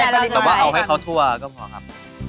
แต่ว่าเอาให้เขาทั่วก็พอครับ